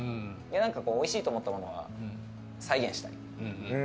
おいしいと思ったものは再現したい。